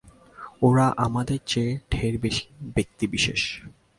ওরা আমাদের চেয়ে ঢের বেশি ব্যক্তি-বিশেষ।